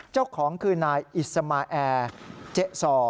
เจ้าของคือนายอิสมาแอร์เจ๊ซอ